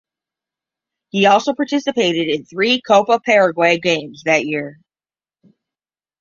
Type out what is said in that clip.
He also participated in three Copa Paraguay games that year.